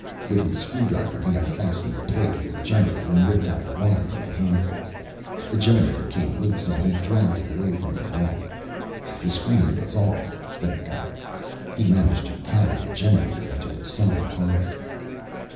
With his screwdriver he unfastened the plate over the generator and ripped out the wiring in handfuls. The generator came loose and he dragged it away from the wall. The screen was off, thank God. He managed to carry the generator into a side corridor.